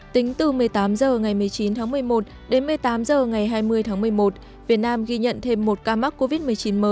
tính từ một mươi tám h ngày một mươi chín tháng một mươi một đến một mươi tám h ngày hai mươi tháng một mươi một việt nam ghi nhận thêm một ca mắc covid một mươi chín mới